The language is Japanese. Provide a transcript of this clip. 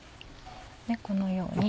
このように。